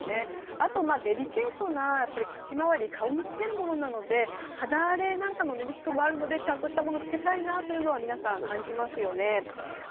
あとデリケートな口回り顔に着けるものなので肌荒れなんかもあるのでちゃんとしたものを着けたいなというのは皆さん、感じますよね。